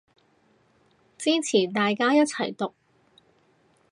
支持大家一齊毒